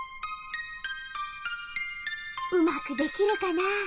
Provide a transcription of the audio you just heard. うまくできるかな？